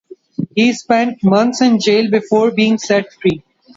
He spent months in jail before being set free.